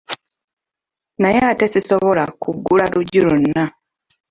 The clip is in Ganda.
Naye ate sisobola kuggula luggi lwonna.